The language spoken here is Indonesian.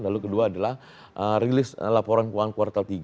lalu kedua adalah rilis laporan keuangan kuartal tiga